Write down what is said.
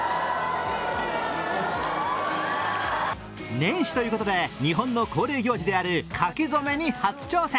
年始ということで、日本の恒例行事である書き初めに初挑戦。